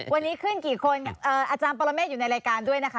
วันนี้ขึ้นกี่คนอาจารย์ปรเมฆอยู่ในรายการด้วยนะคะ